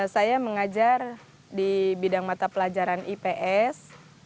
saya mengajar di bidang mata pelajaran ips